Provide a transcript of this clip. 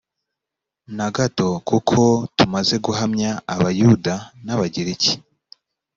na gato kuko tumaze guhamya abayuda n abagiriki